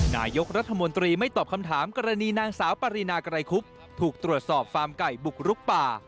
นายกรัฐมนตรีไม่ตอบคำถามกรณีนางสาวปรินาไกรคุบถูกตรวจสอบฟาร์มไก่บุกรุกป่า